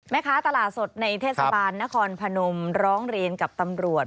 แม่ค้าตลาดสดในเทศบาลนครพนมร้องเรียนกับตำรวจ